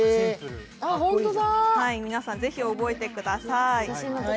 皆さん、ぜひ覚えてください。